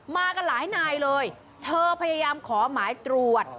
มากันหลายนายเลยเธอพยายามขอหมายตรวจ